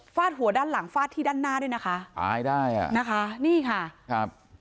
หัวด้านหลังฟาดที่ด้านหน้าด้วยนะคะตายได้อ่ะนะคะนี่ค่ะครับ